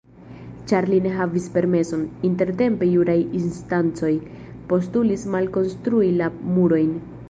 Ĉar li ne havis permeson, intertempe juraj instancoj postulis malkonstrui la murojn.